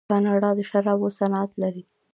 کاناډا د شرابو صنعت لري.